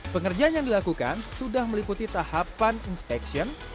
pengerjaan yang dilakukan sudah meliputi tahapan inspection